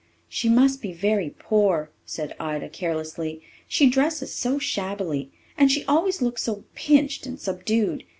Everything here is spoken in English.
"She must be very poor," said Ida carelessly. "She dresses so shabbily, and she always looks so pinched and subdued.